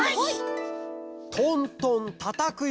「トントンたたくよ」。